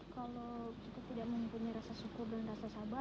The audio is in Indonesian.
kalau kita tidak mempunyai rasa syukur dan rasa sabar